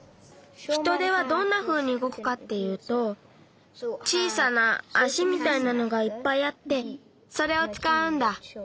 ヒトデはどんなふうにうごくかっていうと小さな足みたいなのがいっぱいあってそれをつかうんだ。